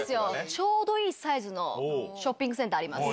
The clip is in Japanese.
ちょうどいいサイズのショッピングセンターあります。